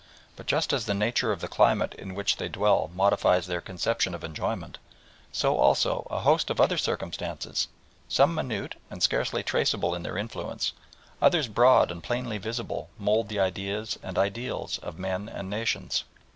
But just as the nature of the climate in which they dwell modifies their conception of enjoyment, so also a host of other circumstances, some minute and scarcely traceable in their influence, others broad and plainly visible, mould the ideas and ideals of men and nations.